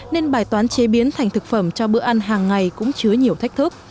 nên bài toán chế biến thành thực phẩm cho bữa ăn hàng ngày cũng chứa nhiều thách thức